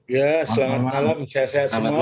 ya selamat malam sehat sehat semua